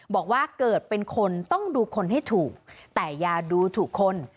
บอกว่าเกิดเป็นคนต้องดูคนให้ถูกแต่อย่าดูถูกคน